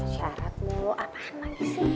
syarat mulu apaan lagi sih